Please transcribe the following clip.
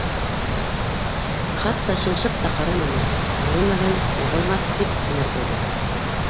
Хатта шыңшып та ҡараманы ул. «Йөрөмәгән - йығылмаҫ», -тип кенә ҡуйҙы.